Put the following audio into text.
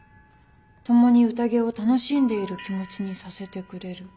共に宴を楽しんでいる気持ちにさせてくれる。